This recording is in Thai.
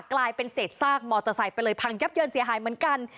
กลายเป็นเศษซากมอเตอร์ไซค์ไปเลยพังยับเยินเสียหายเหมือนกัน